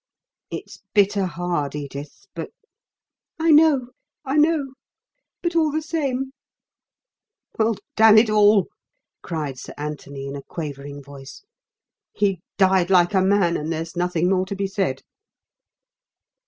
"It's bitter hard, Edith, but " "I know, I know. But all the same " "Well, damn it all!" cried Sir Anthony, in a quavering voice, "he died like a man and there's nothing more to be said."